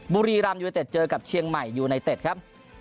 บุรีรำยูเนเต็ดเจอกับเชียงใหม่ยูไนเต็ดครับ